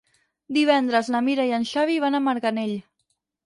Divendres na Mira i en Xavi van a Marganell.